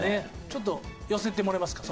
ちょっと寄せてもらえますか？